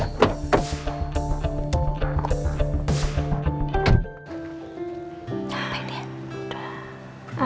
akhirnya dia tidur juga mbak